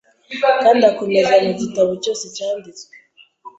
kandi akomeza mu gitabo cyose cyanditswe